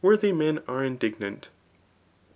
thy men are inaignanir.